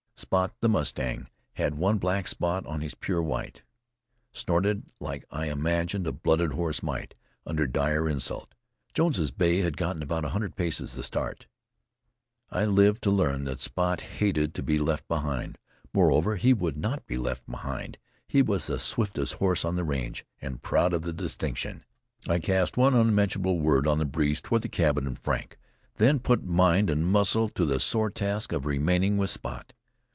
Spot the mustang had one black spot in his pure white snorted like I imagined a blooded horse might, under dire insult. Jones's bay had gotten about a hundred paces the start. I lived to learn that Spot hated to be left behind; moreover, he would not be left behind; he was the swiftest horse on the range, and proud of the distinction. I cast one unmentionable word on the breeze toward the cabin and Frank, then put mind and muscle to the sore task of remaining with Spot.